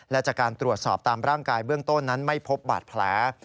และจากการตรวจสอบตามร่างกายเบื้องต้นนั้นไม่พบบาดแผล